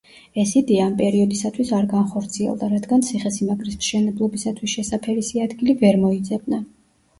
ეს იდეა ამ პერიოდისათვის არ განხორციელდა, რადგან ციხესიმაგრის მშენებლობისათვის შესაფერისი ადგილი ვერ მოიძებნა.